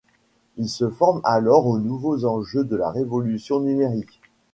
Il se forme alors aux nouveaux enjeux de la révolution numérique.